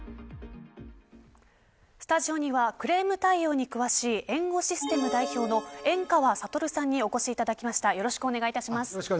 スタジオにはクレーム対応に詳しいエンゴシステム代表の援川聡さんにお越しいただきました。